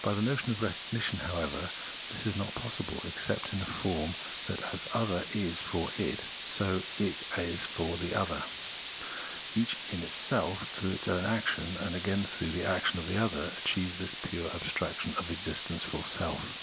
By the notion of recognition^ however, this is not possible, except in the form that s^s the other is for it, so it is for the other ; each in its self through its own action and again through the action of the other achieves this pure abstraction of existence for; self.